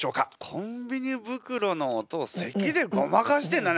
コンビニ袋の音をせきでごまかしてんだね